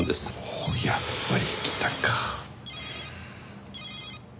おおやっぱりきたか。